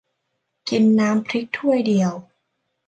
กินน้ำพริกถ้วยเดียว